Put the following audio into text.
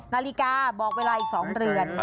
นาฬิกาบอกเวลาอีก๒เรือน